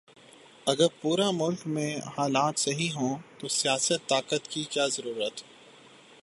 اگر پورے ملک میں حالات صحیح ھوں تو سیاست، طاقت، کی کیا ضرورت